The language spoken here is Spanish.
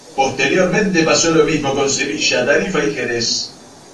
Posteriormente, pasó lo mismo con Sevilla, Tarifa y Jerez.